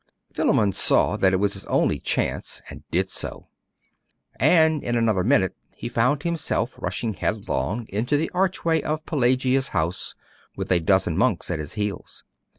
Philammon saw that it was his only chance, and did so; and in another minute he found himself rushing headlong into the archway of Pelagia's house, with a dozen monks at his heels.